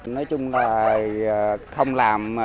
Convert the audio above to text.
nói chung là không làm